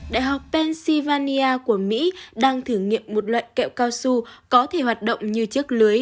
đại học pennsylvania của mỹ đang thử nghiệm một loại kẹo cao su có thể hoạt động như chiếc lưới